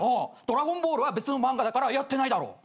『ドラゴンボール』は別の漫画だからやってないだろう。